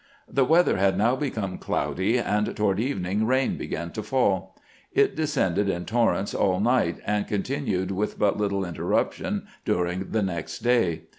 The weather had now become cloudy, and toward evening rain began to fall. It descended in tor rents all night, and continued with but little interrup tion during the next day.